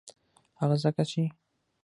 هغه ځکه چې